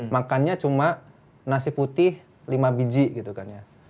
makannya cuma nasi putih lima biji gitu kan ya